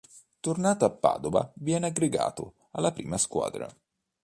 Tornato a Padova viene aggregato alla prima squadra.